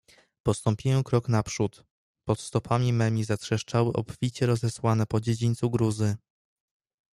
"Postąpiłem krok naprzód, pod stopami memi zatrzeszczały obficie rozesłane po dziedzińcu gruzy..."